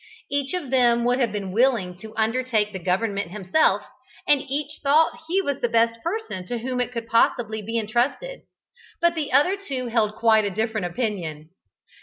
Each of them would have been willing to undertake the government himself, and each thought that he was the best person to whom it could possibly be entrusted. But the other two held quite a different opinion.